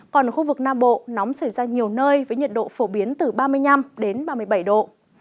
còn ở khu vực nam bộ nóng xảy ra nhiều nơi với nhiệt độ phổ biến từ ba mươi năm đến ba mươi bảy độ